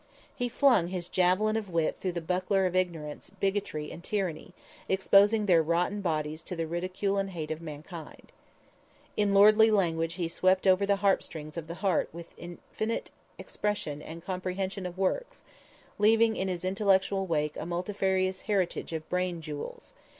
He flung his javelin of wit through the buckler of ignorance, bigotry and tyranny, exposing their rotten bodies to the ridicule and hate of mankind. In lordly language he swept over the harp strings of the heart with infinite expression and comprehension of words, leaving in his intellectual wake a multifarious heritage of brain jewels.